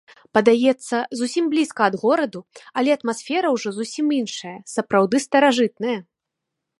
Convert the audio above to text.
Падаецца, зусім блізка ад гораду, але атмасфера ўжо зусім іншая, сапраўды старажытная!